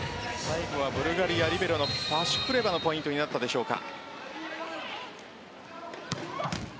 ブルガリア、リベロのパシュクレバのポイントになったでしょうか。